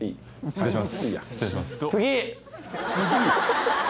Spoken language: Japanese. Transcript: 失礼します。